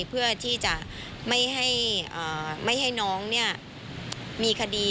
เพื่อที่จะไม่ให้น้องมีคดี